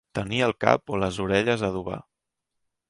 Tenir el cap o les orelles a adobar.